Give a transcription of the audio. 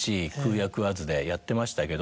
やってましたけど。